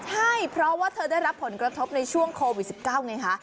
ใช่เพราะว่าเธอได้รับผลกระทบในช่วงโควิด๑๙ไงคะ